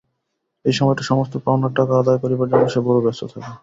এই সময়টা সমস্ত পাওনার টাকা আদায় করিবার জন্য সে বড়ো ব্যস্ত থাকে।